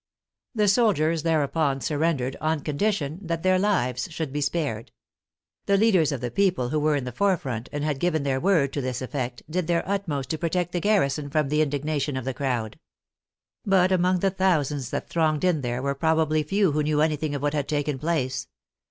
The soldiers thereupon surrendered on condition that their lives should be spared. The leaders of the people who were in the forefront, and had given their word to this effect, did their utmost to protect the garrison from the indignation of the crowd. But among the thousands that thronged in there were probably few who knew anything of what had taken place.